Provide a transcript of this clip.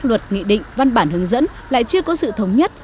luật nghị định văn bản hướng dẫn lại chưa có sự thống nhất